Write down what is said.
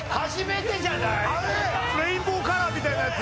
レインボーカラーみたいなやつ。